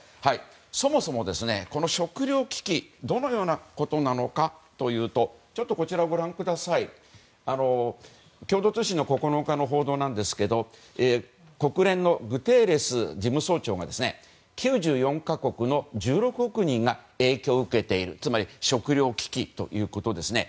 そもそも食料危機とはどのようなことなのかというと共同通信の９日の報道ですが国連のグテーレス事務総長が９４か国、１６億人が影響を受けているつまり食料危機ということですね。